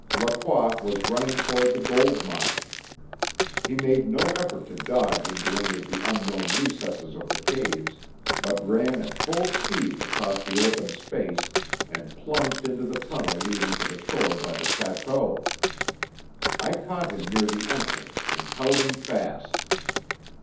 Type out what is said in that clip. Lacroix was running toward the gold mine. He made no effort to dodge into any of the unknown recesses of the caves, but ran at full speed across the open space and plunged into the tunnel leading to the shore by the château. I caught him near the entrance and held him fast.